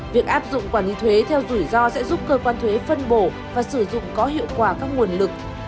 việc áp dụng quản lý thuế theo rủi ro sẽ giúp cơ quan thuế phân bổ và sử dụng có hiệu quả các nguồn lực